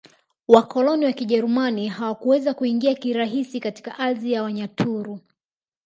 Wakoloni wa Kijerumani hawakuweza kuingia kirahisi katika ardhi ya Wanyaturu